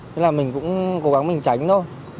thế là mình cũng cố gắng mình tránh thôi